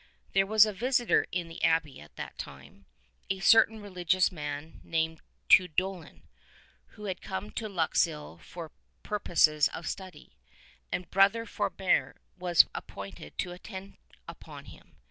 There was a visitor in the abbey at that time, a certain religious man named Tuedolin, who had come to Luxeuil for purposes of study, and Brother Frobert was appointed to attend upon him.